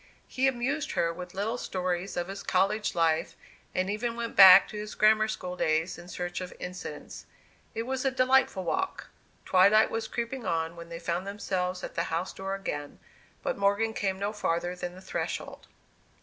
He amused her with little stories of his college life, and even went back to his grammar school days in search of incidents. It was a delightful walk; twilight was creeping on when they found themselves at the house door again, but Morgan came no farther than the threshold.